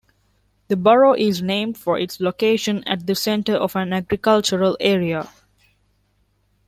The borough is named for its location at the center of an agricultural area.